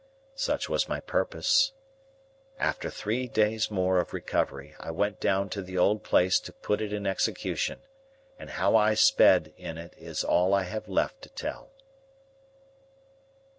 Such was my purpose. After three days more of recovery, I went down to the old place to put it in execution. And how I sped in it is all I have left to tell.